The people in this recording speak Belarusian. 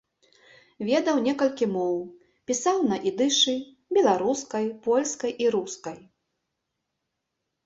Ведаў некалькі моў, пісаў на ідышы, беларускай, польскай і рускай.